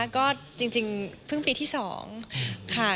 ก็จริงเพิ่งปีที่๒ค่ะ